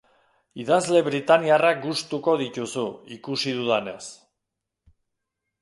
Idazle britainiarrak gustuko dituzu, ikusi dudanez.